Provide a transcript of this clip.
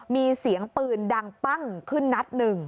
มีเสียงปืนดังปั้งขึ้นนัดหนึ่ง